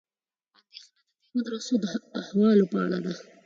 اندېښنه د دې مدرسو د احوالو په اړه ده.